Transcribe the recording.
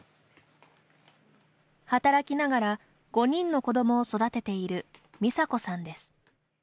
働きながら５人の子どもを育てているミサコさんです。